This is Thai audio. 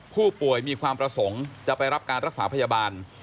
ผู้ป่วยมีความประสงค์จะไปรับการรักษาพยาบาล